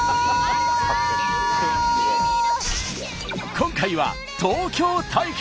今回は東京対決！